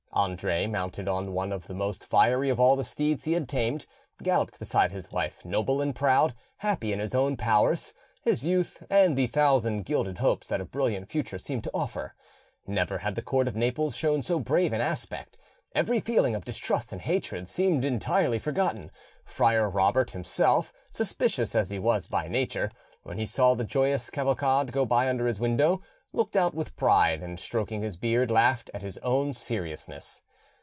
Andre, mounted on one of the most fiery of all the steeds he had tamed, galloped beside his wife, noble and proud, happy in his own powers, his youth, and the thousand gilded hopes that a brilliant future seemed to offer. Never had the court of Naples shown so brave an aspect: every feeling of distrust and hatred seemed entirely forgotten; Friar Robert himself, suspicious as he was by nature, when he saw the joyous cavalcade go by under his window, looked out with pride, and stroking his beard, laughed at his own seriousness.